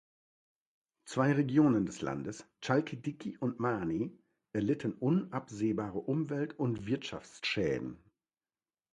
Zwei Regionen des Landes, Chalkidiki und Mani, erlitten unabsehbare Umwelt- und Wirtschaftsschäden.